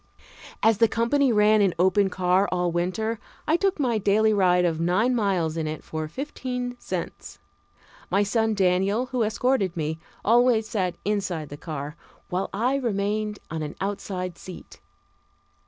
As the company ran an open car all winter, I took my daily ride of nine miles in it for fifteen cents. My son Daniel, who escorted me, always sat inside the car, while I remained on an outside seat.